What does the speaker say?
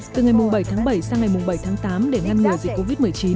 từ ngày bảy tháng bảy sang ngày bảy tháng tám để ngăn ngừa dịch covid một mươi chín